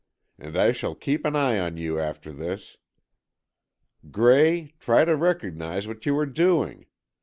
And I shall keep an eye on you after this. Gray, try to recognize what you are doing.